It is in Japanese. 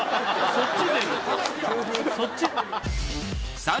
そっち？